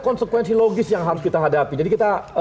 konsekuensi logis yang harus kita hadapi jadi kita